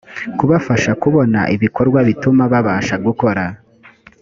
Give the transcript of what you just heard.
kubafasha kubona ibikorwa bituma babasha gukora